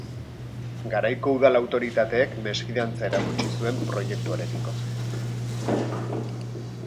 Garaiko udal autoritateek mesfidantza erakutsi zuen proiektuarekiko.